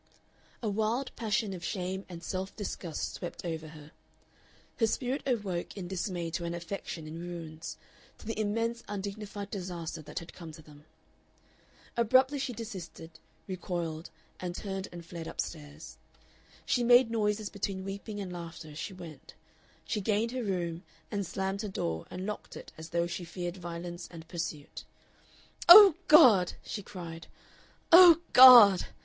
A wild passion of shame and self disgust swept over her. Her spirit awoke in dismay to an affection in ruins, to the immense undignified disaster that had come to them. Abruptly she desisted, recoiled, and turned and fled up stairs. She made noises between weeping and laughter as she went. She gained her room, and slammed her door and locked it as though she feared violence and pursuit. "Oh God!" she cried, "Oh God!"